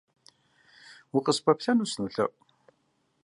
Укъыспэплъэну сынолъэӏу.